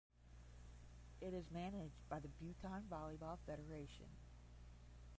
It is managed by the Bhutan Volleyball Federation.